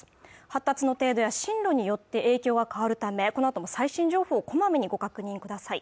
発達の程度や進路によって影響が変わるためこのあとも最新情報こまめにご確認ください